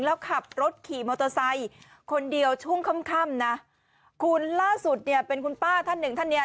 แล้วขับรถขี่มอเตอร์ไซค์คนเดียวช่วงค่ำค่ำนะคุณล่าสุดเนี่ยเป็นคุณป้าท่านหนึ่งท่านเนี้ย